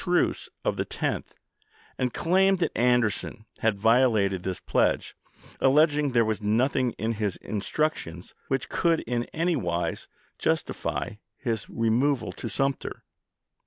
truce of the 10th, and claimed that Anderson had violated this pledge, alleging there was nothing in his instructions which could in any wise justify his removal to Sumter.